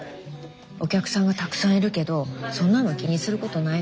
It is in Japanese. お客さんがたくさんいるけどそんなの気にすることないの。